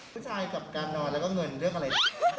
ผู้ชายกับการนอนแล้วก็เงินเรื่องอะไร